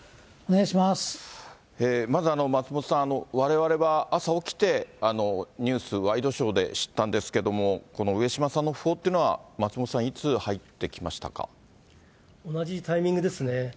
まず松本さん、われわれは朝起きて、ニュース、ワイドショーで知ったんですけども、この上島さんの訃報っていうのは、松本さん、同じタイミングですね。